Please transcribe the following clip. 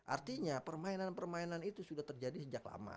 artinya permainan permainan itu sudah terjadi sejak lama